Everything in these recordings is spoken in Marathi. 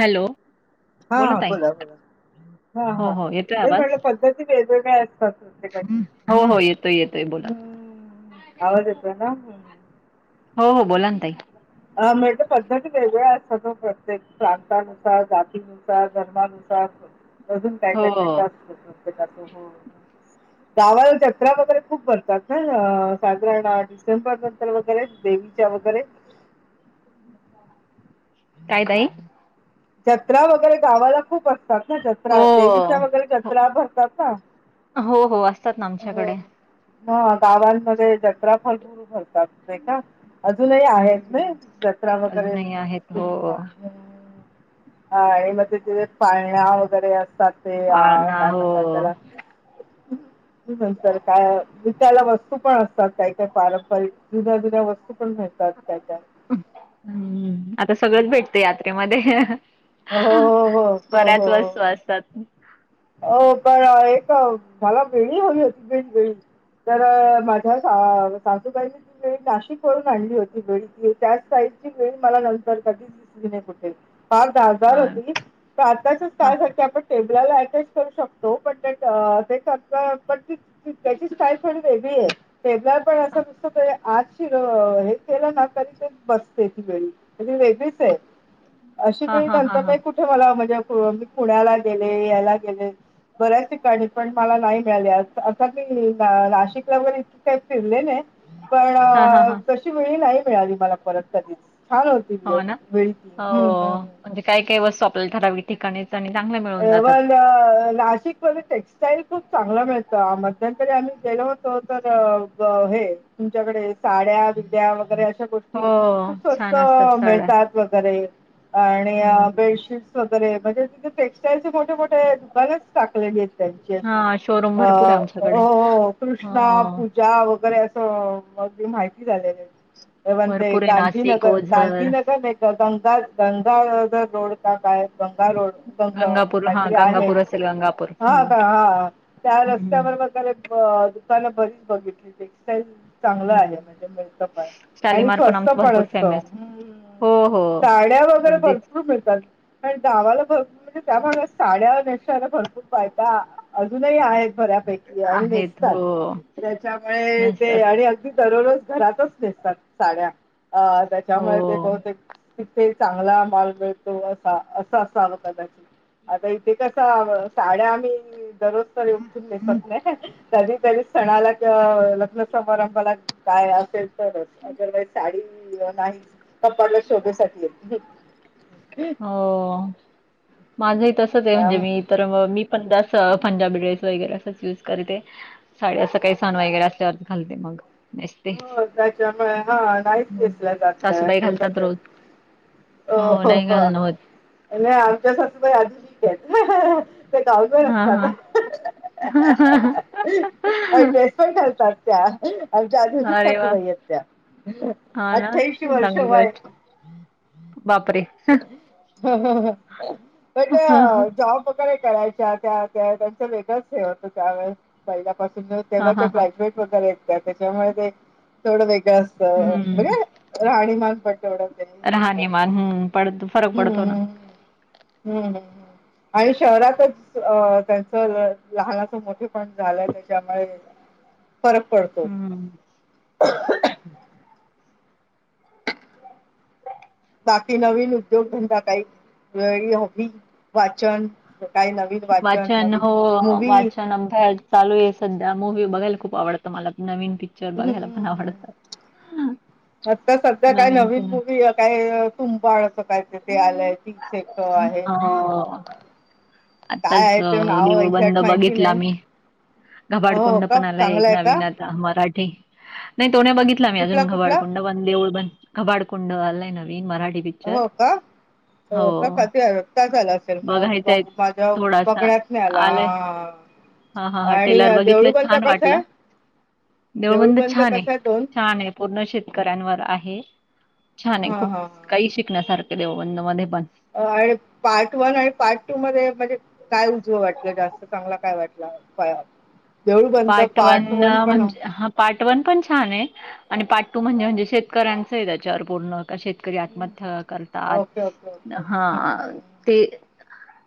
हॅलो हा बोला ताई. बोला हा हो हा हो येतोय तेच आवाज म्हटलं पद्धती वेगवेगळ्या असतात प्रत्येकाच्या हो हो येतोय येतोय बोल [inaudible] हम्म. आवाज येतोय ना? हो हो बोला ना ताई [unintelligible] पद्धती वेगळ्या असत्यात हो पण तेच प्रांतानुसार, जातीनुसार, धर्मानुसार अजून काय काय हो हो. असतं प्रत्येकाचं होय गावाला चक्रा वगरे खूप भरतात ना? साधारण डिसेंबर नंतर वगरे देवीच्या हो बरे. काय ताई? जत्रा वगरे गावाला खूप असतात ना? हो जत्रा देवीच्या वगरे हो जत्रा भरतात ना? हो हो असतात ना आमच्याकडे. हं गावांमध्ये जत्रा भरपूर भरतात नाही का? अजून ही आहेत नी हम्म जत्रा वगरे अजूनही आहेत हो [unintelligible] [inaudible] साते या पाळणा काय हो म्हणत्यात तेला नंतर काय विकायला वस्तू पण असतात, काही काही पारंपरिक जुन्या जुन्या वस्तू पण मिळतात काय काय. हम्म आता सगळंच भेटते यात्रेमध्ये हो, हो, बऱ्याचं वस्तू असतात. ओ काय आहे का ओ ह्याला [unintelligible] तर माझ्या [unintelligible] नाशिक वरून आणली होती विळी त्या साइची विळी मला नंतर कधीच दिसली नाइ कुठे काय गार गार हा होती हा [unintelligible] करू शकतो [unintelligible] स्टाईल थोडी वेगळीय [unintelligible] तरी हा ती बसत्या ती विळी वेगळीचय [unintelligible] अशी हा गोळी हा हा हा नंतर कुठे मला म्हणजे मी पुण्याला गेले. याला गेले बऱ्याच ठिकाणी पण मला नाइ मिळाली, असा आता मी नाशिकला जरी काही फिरले नाही पण हा हा हा तशी विळी नाही मिळाली, मला परत कधीच. छान होती वेळ हो वेळ ना वेळी ती हम्म हो हम्म म्हणजे काय काय वस्तू आपल्याला ठरावीक ठिकाणी [unintelligible] नाशिकमध्ये टेक्सटाईल खूप चांगला मिळतो अम नंतर आम्ही गेलो होतो तर हे तुमच्याकडे साड्या विद्या वगरे अशा अशा गोष्टी हो खूप स्वस्त छान असतात साड्या मिळतात वगरे. आणि अं हम्म बेडशीट्स वगरे म्हणजे तिथेे टेक्स् असे मोठे मोठे दुकानेच टाकलेलीत त्यांची अशी हां, शोरूम अ भरपूर आहे हो आमच्याकडे. हो हो कृष्णा, हां, पूजा वगैरे हो अगदी माहिती झालेले [unintelligible] भरपूर आहे नाशिक, गांधीनगर ओझर, गांधीनगर [unintelligible] रोड का? काय गंगा रोड? [unintelligible] गंगापूर हां, गंगापूर दुकानं असेल गंगापूर. हं, हं, हं. बरीच बघितली. टेक्स्टाईल - चांगलं आहे. हं. म्हणजे मिळतं पण, आणि शालिमार स्वस्त आमचं पण भरपूर असत. फेमस. हो, हो. साड्या वगैरे अगदीच भरपूर मिळतात. आणि गावाला भरपूर - [inaudible] [unintelligible] घरातच नेसतात आहेत. हो, नसतात. साड्या. अ, हो, त्याच्यामुळे ते बहुतेक - ते चांगला मााल मिळतो असा. असं असावं कदाचित. आता इथे कस साड्या आम्ही दररोज तर उठून नेसत नाही. कधी - तरी सणाला किंवा लग्न समारंभाला काय असेल, तरच. अदरवाईज साडी - [unintelligible] हो. माझंही तसंच आहे. म्हणजे मी तर, मी - [unintelligible] हं. [unintelligible] [unintelligible] [unintelligible] ते हो, नाही घालणं होत. गावी हां, असतात, हां. अरे आणि ड्रेस पण घालतात. त्या आमच्या आधुनिक वा! सासूबाई आहेत त्या, हां ना, अठ्ठ्याऐशी वर्ष चांगली वय गोष्ट. बापरे हम्म हम्म हम्म बट हां, हां. जॉब वगैरे करायच्या त्या त्या त्यांच वेगळंच हे होतं त्यावेळेस पहिल्यापासून हां, तेंव्हाच्या हां, हां. ग्रॅज्युएट [unintelligible] त्याच्यामुळे ते थोडं वेग ळ असतं हं. म्हणजे राहणीमानं राहणीमान हम्म पडतो फरक पडतो ना, हम्म. हम्म हम्म हम्म. आणि शहरातच अ त्यांच लहानाचं मोठे पण झालंय त्याच्यामुळे, फरक पडतो. हं. बाकी नवीन उद्योगधंदा काही, वेगळी हॉबी, वाचन काही नवीन वाचन नवीन हो मूवी वाचन अभ्यास चालू आहे सध्या मग, टी. व्ही. बघायला खूप आवडत मला, नवीन पिक्चर बघायला पण आवडत. हम्म आता सध्या काय नवीन मुवी, काय तुंबाळ सकाळच ते आलंय, पिक्चर तो आहे. हो. आत्ताच काय आहे अ, ते नाव देऊळ बंद एक्झॅक्ट माहिती बघितला नाही. मी. हो घबाडकुंड का पण आला चांगला एक आहे का? नवीन आता मराठी नाही. तोण्या बघितला मी. कुठला अजून कुठला? घबाडकुंड, बंद देऊळबंद. घबाडकुंड आलाय नव. मराठी पिक्चर हो का का ते का झालं असेल बघायचाय मग माझ्या बघण्यात नाही आला हां... हा हा हा, टेलर बघितलं, छान वाटलं. आहे देळबंद देऊळबंद छान आहे, कसा दोन छान आहे पूर्ण शेतकऱ्यांवर आहे. छान आहे. हा खूप हा काही शिकण्यासारखं देऊळबंद मध्ये, पण. अ आणि पार्ट वन आणि पार्ट टू मध्ये म्हणजे काय उजव वाटलं? जास्त चांगला काय वाटला? देऊळबंद पार्ट वन अ, पण, म्हणजे हां पार्ट वन पण छान आहे आणि पार्ट टू म्हणजे, म्हणजे शेतकऱ्यांचं आहे त्याच्यावर पूर्ण. का शेतकरी हं. आत्महत्या करतात? ओके ओके ओके हां हं. ते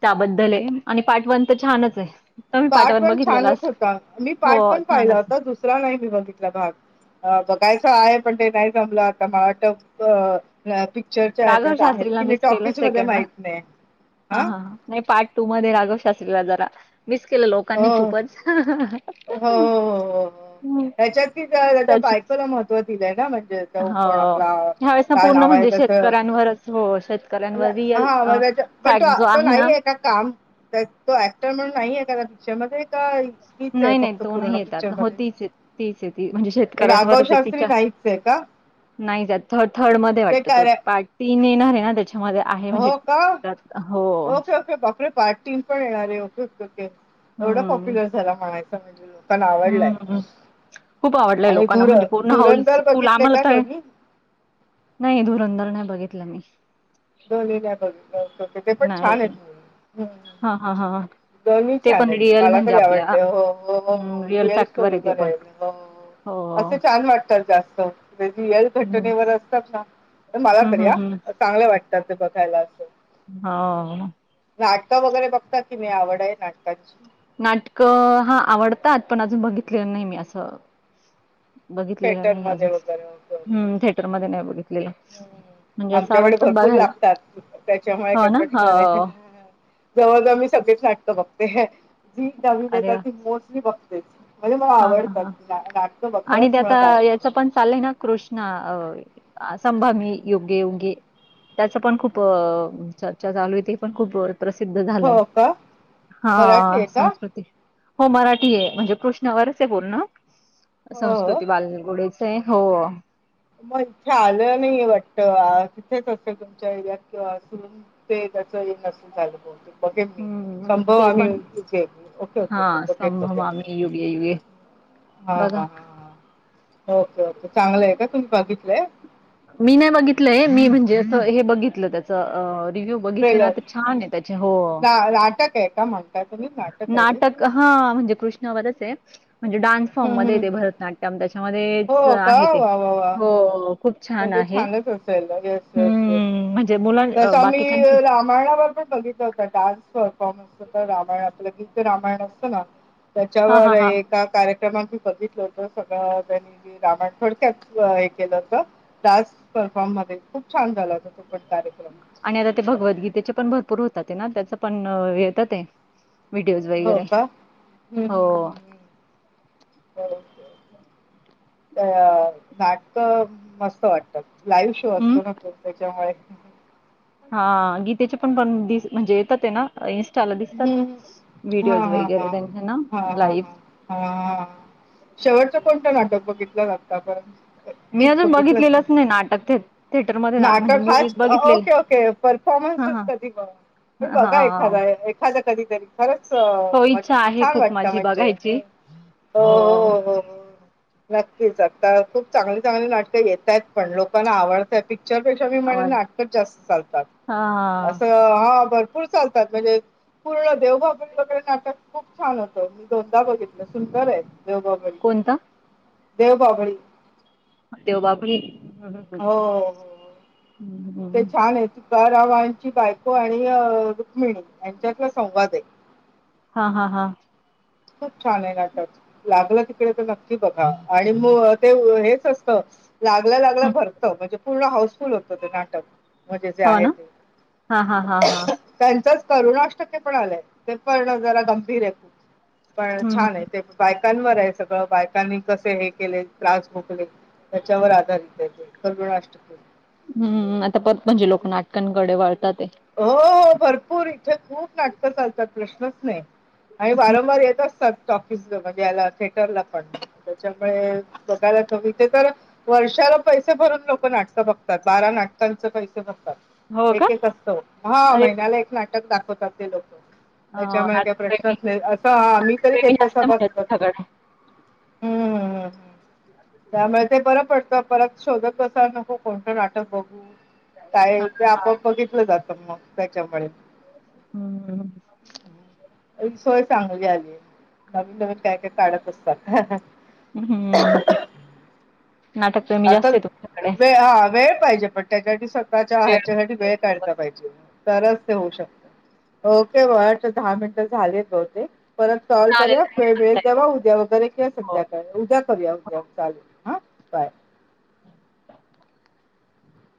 त्याबद्दल आहे आणि पार्ट वन तर छानच आहे. तुम्ही पार्ट वन बघितलेला छानच असेल? होता. मी हो पार्ट वन पाहिला छानच. होता. दुसरा नाही मी बघितला, भाग. बघायचा आहे पण ते, नाही जमलं आता [unintelligible] चर्चा राघव येतच आहेत शास्त्रीला की [unintelligible] टॉकीजमध्ये माहित नाही हा हां? हा ह, नाही पार्ट टू मध्ये राघव शास्त्रीला जरा मिस केलं हो. लोकांनी खूपच. हां हां हो, हो, हां हो, हो. त्याच्यात कि त्याच्या बायकोला महत्व दिलंय ना म्हणजे, तो कोण हो. आपला, ह्यावेळेस ना काय पूर्ण नाव आहे म्हणजे त्याच शेतकऱ्यांवरच हो, शेतकऱ्यांवर रिअल अ, [unintelligible] पण तो फॅक्ट जो तो ना नाही आहे का काम तो ॲक्टर म्हणून नाही आहे का त्या पिक्चरमध्ये का हीच आहे नाही, नाही फक्त तो पूर्ण नाही येतात. पिक्चर हो मध्ये? तीच आहे, तीच आहे ती म्हणजे राघव शेतकऱ्यांवरच आहे शास्त्री तिच्या नाही ये का? नाही त्यात. थ थर्ड मध्ये ते वाटत तो कार्या पार्ट तीन येणार आहे ना त्याच्या, हो का? ओके, ओके, बापरे! पार्ट तीन पण येणार आहे. Okay, okay, okay. एवढा हं, पॉप्युलर झाला म्हणायच. पण हं, आवडलाय हं. खूप आवडलंय आणि लोकांना दुर म्हणजे पूर्ण धुरंधर हाऊसफुल बघितले आम्हाला का तर, दोन्ही नाही, धुरंधर नाही बघितला मी दोन [unintelligible] बघितलेत. ते पण छान नाही. आहेत. हा हा हा दोन्ही ते छान पण आहेत. रिअल मला म्हणजे तरी आपल्या आवडले. हो हो हो, रिअल फॅक्टवर स्टोरी आहे ते वर पण आहेत. हो. हो असं छान वाटतात जास्त, रिअल हम्म घटनेवर असतात ना, तर मला तरी हम्म हम्म हम्म हां, चांगले वाटतात ते बघायला असं. हो नाटकं वगैरे बघता की मी आवड आहे नाटकांची नाटकं हा आवडतात पण अजून बघितलेलं नाही मी असं बघितलेलं थिएटर नाही मध्ये अजून वगैरे असं होतं. हम्म थिएटरमध्येध्ये नाही बघितलेलं म्हणजे असं आमच्याकडे आवडतं भरपूर बघायला लागतात त्याच्यामुळे हो का ना प्रश्न नाही. हो जवळजवळ मी सगळे च नाटकं बघते जी नवीन अरे येतात वा ती मोस्टली बघतेचं. म्हणजे मला हा हा आवडतात हा ना नाटकं आणि बघायलाच ते आता मुळात आवडतं. याच पण चालय ना कृष्णा अ संभामी योगे उगे त्याच पण खूप चर्चा चालू होती ती पण खूप प्रसिद्ध झालंय हो का मराठी हा आहे का? संस्कृती हो मराठी आहे म्हणजे कृष्णावरच आहे बोल ना हो हो. संस्कृती बालगुडे हो मग लं नाही वाटत [unintelligible] असेल तुमच्या एरियात किंवा ते त्या नल झालं बघे मी हम्म संभव ते आम्ही पण इ ओके ओके बघे मामी युगे युगे हा बघा हा हा ओके ओके चांगलंय का तुम्ही बघितलंय? मी नाही बघितलंय मी म्हणजे असं हे बघितलं त्याच अ रिव्हू बघितले ना ट्रेलर? तर छान आहे त्याचे हो ना नाटक आहे का म्हणताय तुम्ही? आहे हे? नाटक हा म्हणजे कृष्णवरचं आहे म्हणजे डान्स फॉर्म हं, मध्ये हं. येते भरतनाट्यम त्या हो त्या का? आहे ते वाह, वाह, वाह! हो खूप छान म्हणजे आहे छानच असायला ना येस येस येस हम्म म्हणजे मुलां तस अ, बाकीच्यांची आम्ही रामायणावर पण बघित होत डान्स रामायण असतं ना हा त्याच्यावर हा हा एका कार्यक्रमा बघितलं होत सगळं त्यांनी रामाथोडक्यात हे केलं होत डान्स परफॉर्म मध्ये खूप छान झाला तो पण कार्यक्रम. आणि आता ते भगवद्गीतेचे पण भरपूर होतात ते ना? पण येतात ते विडिओज हो वगैरे का? हं, हो हं, अ नाटक मस्त वाटतात. लाईव्ह शो हं. असतो ना तो त्याच्यामुळे हा गीतेचे पण पणस म्हणजे येतात ते ना टाला दिसतात हम्म हा व्हिडिओज हा वगैरे हा त्यांच्या ना हा हा लाईव्ह. हा हा शेवटचं कोणतं नाटक बघितलं आत्तापर्यंत मी अजून बघितलेलंच नाही नाटक ते नाटक हाच ओके ओके हा परफॉर्मन्सच हा कधी हे बघा हा एखादा एखाद्य खरंच हो म इच्छा आहे छान खूप वाटतं माझी म्हणजे ह बघायची हो हो हो हो नक्कीच आता खूप चांगली चांगली नाटकं येतायत पण लोकांना आवडतात ती पिक्चर पेक्षा मी म्हणेण आवड नाटकच जास्त चालतात हा असं हा भर फूल चालतात म्हणजे पूर्ण देवबाभळी वगैरे नाटक खूप छान होतं मी दोनदा बघितलं सुंदर आहे देवबाभळी कोणता देवबाभळी देव बाभळी हं हो हो हो. हूं ते छान ये तुकारामांची बायको आणि रुक्मिणी यांच्यातला संवाद ये. हा हा हा खूप छान आहे नाटक लागलं तिकडे तर नक्की बघा आणि मग ते हेचं असतं. लागल्या लागलं भरतं म्हणजे पूर्ण हाऊसफुल होतं ते नाटक. म्हणजे जे हो आहे ना ते हा हा हा हा त्यांचाच करुणाअष्टके पण आलाय ते पण जरा गंभीर आहे खूप पण हम्म हम्म. छान आहे ते बाक बायकांवर आहे सगळं बायकांनी कसे हे केलेत त्रास भोगले त्याच्यावर आधारित आहे ते करुणा आष्टक्के हम्म आता परत म्हणजे लोक नाटकांकडे वळतात. आहे. हो भरपूर इथे खूप नाटकं चालतात प्रश्नच नाही. आणि वारंवार येत असतात. टॉकीज ला म्हणजे याला थेटरला पण त्यामुळे बघाय इथे तर वर्षा त पैसे भरून लोक नाटक बघतात बारा नाटकांचे पैसे भर हो का एक एक असतो हा अरे महिन्याला एक नाटक दाखवतात ते लोक. हो त्याच्यामुळे काय नाटकप्रेमी प्रश्नच नाही असं हा मी तरी प्रेमी घेतले जास्त आहे म्हणजे सभासदांकडून तुमच्याकडे. हम्मम्म्मम् त्यामुळे ते बरं पडतं. परत शोधत कसा नको कोणतं नाटक बघू हा काय ते हा आपण बघित अस मग त्याच्यामुळे हम्म एक सोय चांगली आलीय नवीन नवीन काय काय काढत असता हम्म नाटकप्रेमी आता जास्त आहे तुमच्याकडे. वे हा वेळ पाहिजे. पण त्याच्यासाठी स्वतःच्या वेळ हयाच्यासाठी भेटेल वेळ तेव्हा. काढता पाहिजे. तरच ते होऊ शकत ओके ब दहा मिनिट झाले बहुतेक. परत कॉल चालेल करूया वेळ धन्यवाद मिळेल ताई हो तेव्हा उद्या वगैरे किंवा हो. संध्याकाळी उद्या करूया उद्या चालेल ह.